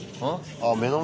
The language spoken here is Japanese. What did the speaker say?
あ目の前